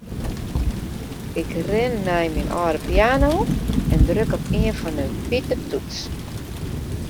Ik rin nei myn âlde piano en druk op ien fan 'e wite toetsen.